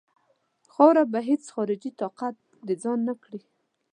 خاوره به هیڅ خارجي طاقت د ځان نه کړي.